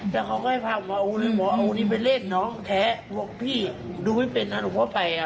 แล้วคราวนี้หมอกไปขายเขาแล้วพึบ